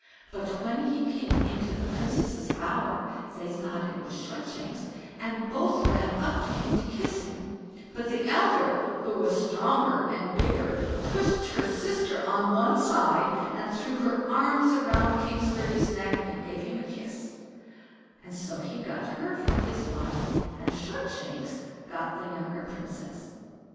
But when he came into the Princesses' bower they thought it was Shortshanks, and both ran up to him to kiss him; but the elder, who was stronger and bigger, pushed her sister on one side, and threw her arms round King Sturdy's neck, and gave him a kiss; and so he got her for his wife, and Shortshanks got the younger Princess.